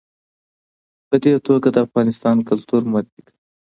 په دې توګه د افغانستان کلتور معرفي کوي.